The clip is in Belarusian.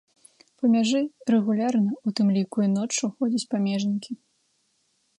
Па мяжы рэгулярна, у тым ліку і ноччу, ходзяць памежнікі.